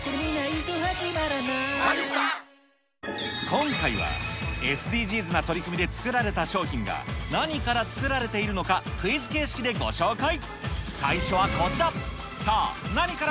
今回は、ＳＤＧｓな取り組みで作られた商品が、何から作られているのか、クイズ形式でご紹介。